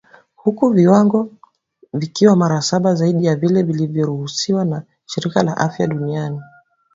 huku viwango vikiwa mara saba zaidi ya vile vinavyoruhusiwa na shirika la afya duniani